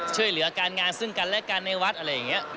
ช่วยเหลือการงานซึ่งกันและกันในวัดอะไรอย่างนี้